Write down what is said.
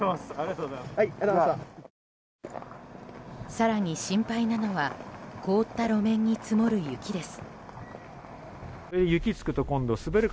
更に心配なのは凍った路面に積もる雪です。